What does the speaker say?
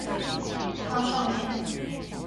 它上面